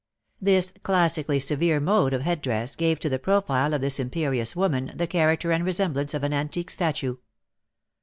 This classically severe mode of head dress gave to the profile of this imperious woman the character and resemblance of an antique statue.